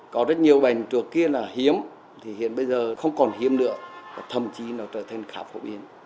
có rất nhiều bệnh trước kia là hiếm thì hiện bây giờ không còn hiếm nữa và thậm chí nó trở thành khá phổ biến